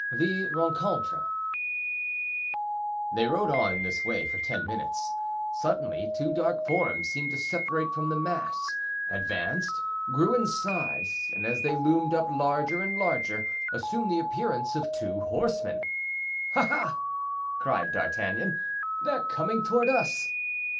The Rencontre. They rode on in this way for ten minutes. Suddenly two dark forms seemed to separate from the mass, advanced, grew in size, and as they loomed up larger and larger, assumed the appearance of two horsemen. "Aha!" cried D'Artagnan, "they're coming toward us."